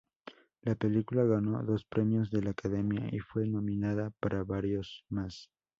La película ganó dos premios de la academia y fue nominada para varios más.